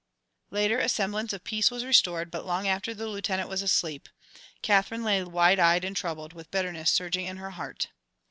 Later, a semblance of peace was restored, but long after the Lieutenant was asleep, Katherine lay, wide eyed and troubled, with bitterness surging in her heart.